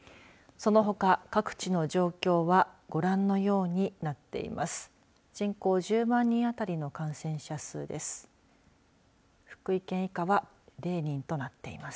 そのほか各地の状況はご覧のようになっています。